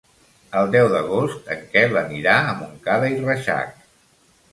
El deu d'agost en Quel anirà a Montcada i Reixac.